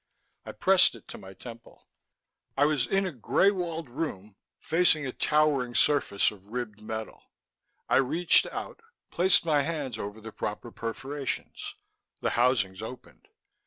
I pressed it to my temple.... _I was in a grey walled room, facing a towering surface of ribbed metal. I reached out, placed my hands over the proper perforations. The housings opened.